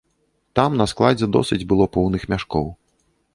Там на складзе досыць было поўных мяшкоў.